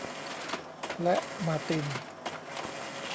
และมาร์ติน